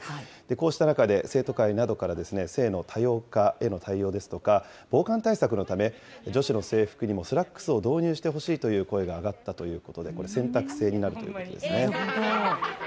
こうした中で生徒会などから、性の多様化への対応ですとか、防寒対策のため、女子の制服にもスラックスを導入してほしいという声が上がったということで、これ選択制になるということですね。